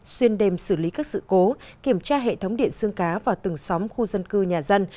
xuyên đêm xử lý các sự cố kiểm tra hệ thống điện xương cá vào từng xóm khu dân cư nhà dân